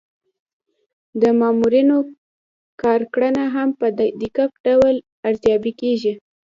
د مامورینو کارکړنه هم په دقیق ډول ارزیابي کیږي.